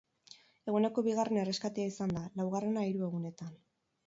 Eguneko bigarren erreskatea izan da, laugarrena hiru egunean.